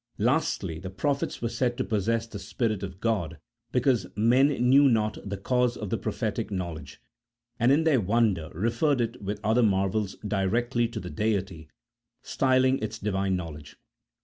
Lastly, the prophets were said to possess the Spirit of God because men knew not the cause of prophetic know ledge, and in their wonder referred it with other marvels directly to the Deity, styling it Divine knowledge.